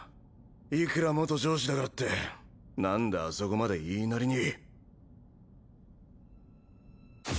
いくら元上司だからってなんであそこまで言いなりに。